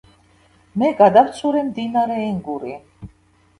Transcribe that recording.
მე, გადავცურე მდინარე ენგური.